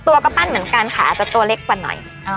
ตัวก็ปั้นเหมือนกันค่ะอาจจะตัวเล็กกว่าหน่อย